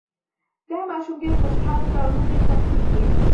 دا ماشوم ډېر خوشحاله ده او لوبې یې خوښیږي